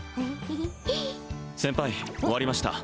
先輩終わりました